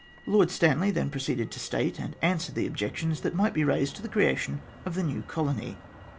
Lord Stanley then proceeded to state and answer the objections that might be raised to the creation of the new colony.